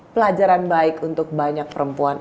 pelajaran baik untuk banyak perempuan